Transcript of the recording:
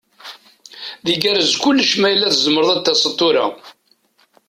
Ad igerrez kullec ma yella tzemreḍ ad d-taseḍ tura.